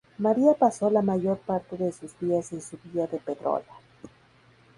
María pasó la mayor parte de sus días en su villa de Pedrola.